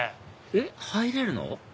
えっ入れるの？